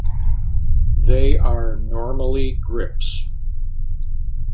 They are normally grips.